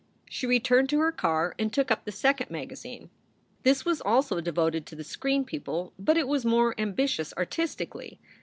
She returned to her car and took up the second magazine. This was also devoted to the screen people, but it was more ambitious artistically.